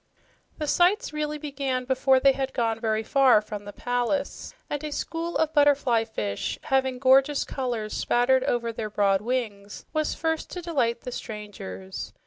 The sights really began before they had gone very far from the palace, and a school of butterfly fish, having gorgeous colors spattered over their broad wings, was first to delight the strangers.